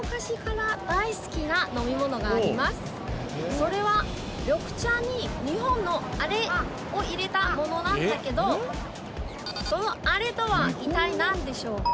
それは緑茶に日本のアレを入れたものなんだけどその「アレ」とは一体何でしょうか？